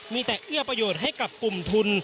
มีแต่เอื้อประโยชน์ให้กับกลุ่มทุน